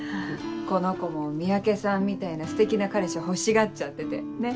この子も三宅さんみたいなステキな彼氏欲しがっちゃっててねっ。